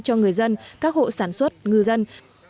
cho người dân các hộ sản xuất ngư dân